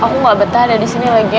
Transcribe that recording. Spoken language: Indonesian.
aku gak betah ada disini lagi